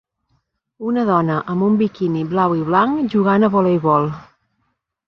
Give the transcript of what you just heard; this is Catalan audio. Una dona amb un biquini blau i blanc jugant a voleibol.